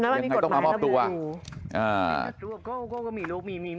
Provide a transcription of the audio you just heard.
แล้วมันมีกฎหมายแล้วคุณรู้